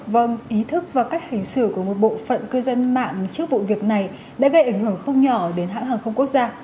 vâng ý thức và cách hành xử của một bộ phận cư dân mạng trước vụ việc này đã gây ảnh hưởng không nhỏ đến hãng hàng không quốc gia